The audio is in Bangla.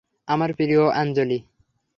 আমার প্রিয় আঞ্জলি।